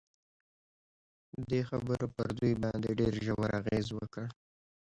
دې خبرو پر دوی باندې ډېر ژور اغېز وکړ